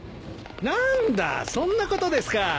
何だそんなことですか。